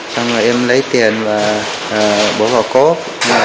xong rồi em lấy tiền và bỏ vào cốp